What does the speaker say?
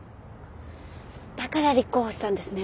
だから立候補したんですね